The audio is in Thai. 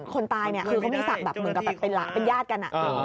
คนตายเนี่ยคือเขามีศักดิ์แบบเหมือนกับแบบเป็นญาติกัน